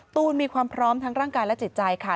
ตูนมีความพร้อมทั้งร่างกายและจิตใจค่ะ